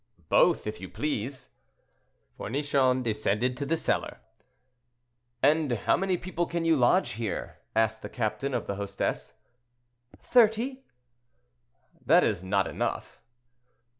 "Both, if you please." Fournichon descended to the cellar. "How many people can you lodge here?" asked the captain of the hostess. "Thirty." "That is not enough."